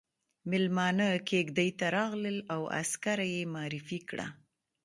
ميلمانه کېږدۍ ته راغلل او عسکره يې معرفي کړه.